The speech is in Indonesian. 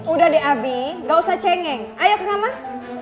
udah deh abi gak usah cengeng ayo ke kamar